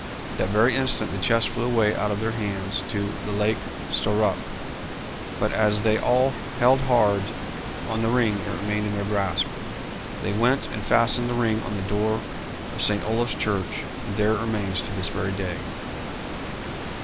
That very instant the chest flew away out of their hands to the lake Stöierup, but as they all held hard on the ring it remained in their grasp. They went and fastened the ring on the door of St. Olaf's church, and there it remains to this very day.